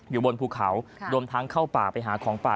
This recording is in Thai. อยู่บนภูเขารวมทั้งเข้าป่าไปหาของป่า